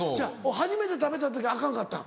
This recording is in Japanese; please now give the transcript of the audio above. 初めて食べた時アカンかったん？